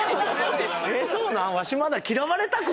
えっそうなん？